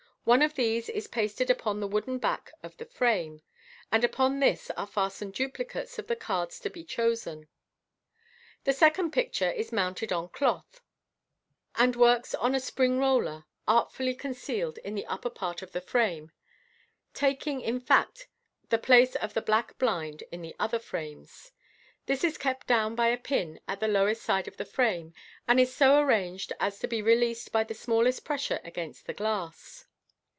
One of these is pasted upon the wooden back of the frame, and upon this are fastened duplicates of the cards to be chosen. The second picture is mounted on cloth, and works on a spring 468 MODERN MA GIC. roller artfully concealed in the upper part of the frame, taking, in fact, the place of the black blind in the other frames. This is kept down by a pin at the lower side of the frame, and is so arranged as to be released by the smallest pressure against the glass.